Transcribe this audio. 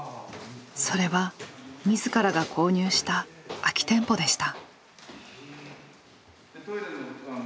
それは自らが購入した空き店舗でした。